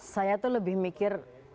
saya tuh lebih mikir